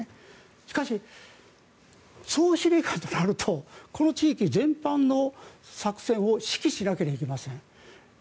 しかし、総司令官となるとこの地域全般の作戦を指揮しなければいけません。